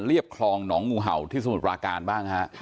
คลองหนองงูเห่าที่สมุทรปราการบ้างฮะ